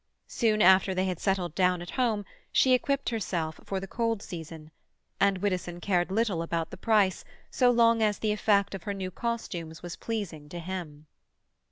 Soon after they had settled down at home she equipped herself for the cold season, and Widdowson cared little about the price so long as the effect of her new costumes was pleasing to him.